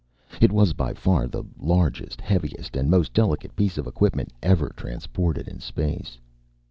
It was by far the largest, heaviest and most delicate piece of equipment ever transported in space.